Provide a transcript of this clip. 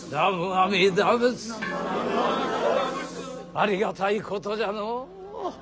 ありがたいことじゃのう。